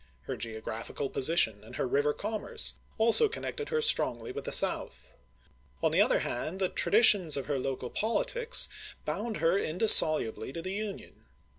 Her geographical position and her river commerce also connected her strongly with the South. On the other hand, the traditions of her local politics bound her indissolubly to the Union.